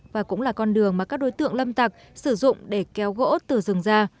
và cũng là con đường mà các đối tượng lâm tặc sử dụng để kéo gỗ từ rừng ra